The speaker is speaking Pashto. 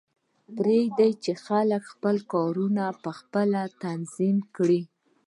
پریږده چې خلک خپل کارونه پخپله تنظیم کړي